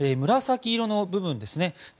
紫色の部分ですね。